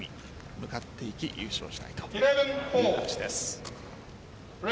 向かっていき、優勝したいという形です。